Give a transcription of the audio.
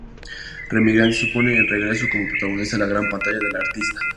Re-Emigrantes supone el regreso, como protagonista, a la gran pantalla del artista.